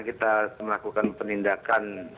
kita melakukan penindakan